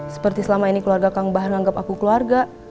seperti selama ini keluarga kang bah nganggap aku keluarga